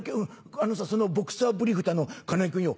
あのさそのボクサーブリーフって金井君よ